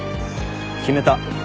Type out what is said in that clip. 決めた。